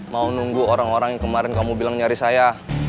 mau nunggu orang orang yang kemarin kamu bilang nyari saya